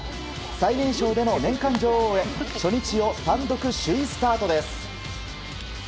最年少での年間女王へ初日を単独首位スタートです。